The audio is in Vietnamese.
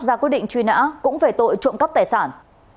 ra quyết định truy nã cũng về tội trộm cắp tài sản